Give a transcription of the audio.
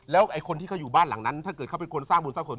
แล้วไอ้คนที่เขาอยู่บ้านหลังนั้นถ้าเกิดเขาเป็นคนสร้างบุญสร้างส่วน